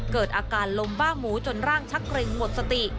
เกิดอาการลมบ้าหมูจนร่างชักเกร็งหมดสติ